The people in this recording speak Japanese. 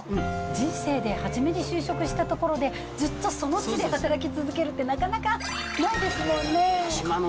人生で初めて就職した所で、ずっとその地で働き続けるって、なかなかないですもんね。